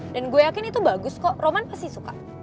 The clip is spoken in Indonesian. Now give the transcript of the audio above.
dan gue yakin itu bagus kok roman pasti suka